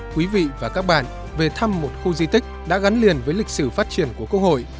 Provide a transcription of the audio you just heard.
quý vị và các bạn về thăm một khu di tích đã gắn liền với lịch sử phát triển của quốc hội